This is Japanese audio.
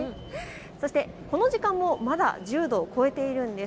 そしてこの時間もまだ１０度を超えているんです。